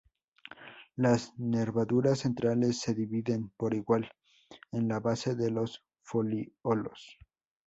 Las nervaduras centrales se dividen por igual en la base de los foliolos.